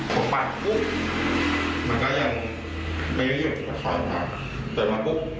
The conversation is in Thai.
ผมปัดปุ๊บมันก็ยังไม่อยู่ตัดมาปุ๊บ